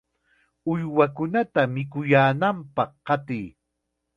¡Uywakunata mikuyaananpaq qatiy!